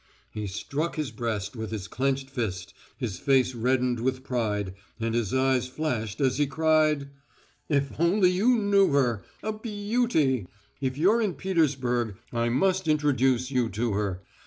He struck his breast with his clenched fist, his face reddened with pride, and his eyes flashed, as he cried: "If only you knew her! A be eauty! If you're in Petersburg I must introduce you to her.